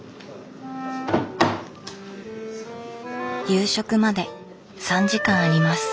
夕食まで３時間あります。